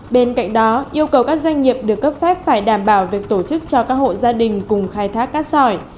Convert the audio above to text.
bên cạnh đó yêu cầu các doanh nghiệp được cấp phép phải đảm bảo việc tổ chức cho các hộ gia đình cùng khai thác cát sỏi